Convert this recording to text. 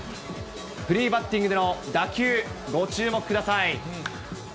フリーバッティングでの打球、ご注目ください。